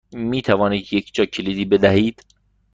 می توانید یک جاکلیدی بدهید؟